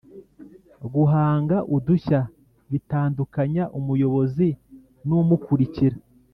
"guhanga udushya bitandukanya umuyobozi n'umukurikira."